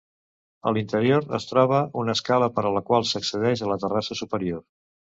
A l'interior es troba una escala per la qual s'accedeix a la terrassa superior.